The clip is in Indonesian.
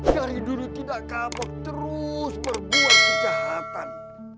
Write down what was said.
dari dulu tidak kapok terus berbuat kejahatan